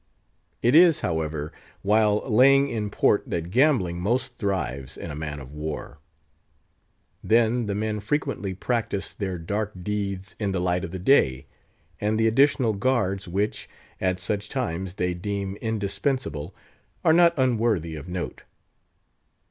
It is, however, while laying in port that gambling most thrives in a man of war. Then the men frequently practice their dark deeds in the light of the day, and the additional guards which, at such times, they deem indispensable, are not unworthy of note.